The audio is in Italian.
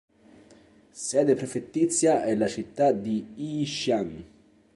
Sede prefettizia è la città di Yixian.